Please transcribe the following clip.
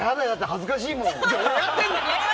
恥ずかしいもん！